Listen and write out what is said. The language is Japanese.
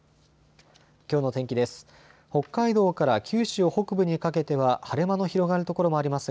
きょうの天気です。